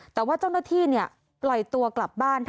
แต่ว่าเจ้าหน้าที่ปล่อยตัวกลับบ้าน